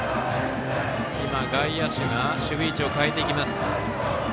今、外野手が守備位置を変えてきます。